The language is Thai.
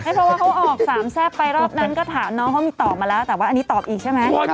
เพราะว่าเขาออกสามแซ่บไปรอบนั้นก็ถามน้องเขามีตอบมาแล้วแต่ว่าอันนี้ตอบอีกใช่ไหม